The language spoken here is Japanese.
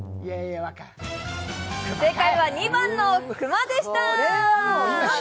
正解は２番の「クマ」でした。